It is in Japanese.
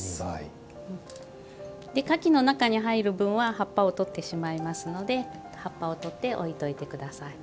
花器の中に入る分は葉っぱをとってしまいますので葉っぱをとって置いといてください。